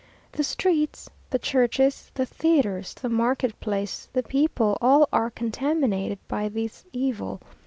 The streets, the churches, the theatres, the market place, the people, all are contaminated by this evil.